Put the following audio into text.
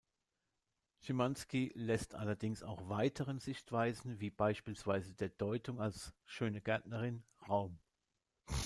Szymanski lässt allerdings auch weiteren Sichtweisen wie beispielsweise der Deutung als "Schöne Gärtnerin" Raum.